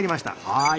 はい。